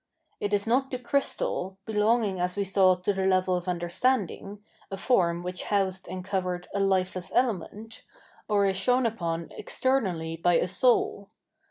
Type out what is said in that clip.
It is not the crystal, belong ing as we saw to the level of understanding, a form which housed and covered a lifeless element, or is shone upon externally by a soul.